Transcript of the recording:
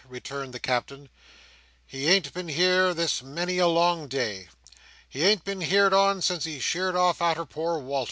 returned the Captain. "He ain't been here this many a long day. He ain't been heerd on, since he sheered off arter poor Wal"r.